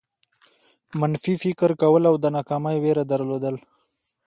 منفي فکر کول او د ناکامۍ وېره درلودل.